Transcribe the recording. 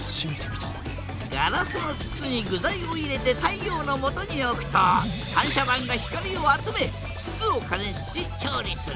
ガラスの筒に具材を入れて太陽のもとに置くと反射板が光を集め筒を加熱し調理する。